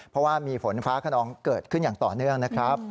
เพราะว่ามีฝนฟ้าขนองเกิดขึ้นอย่างต่อเนื่องนะครับ